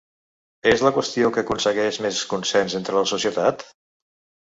És la qüestió que aconsegueix més consens entre la societat?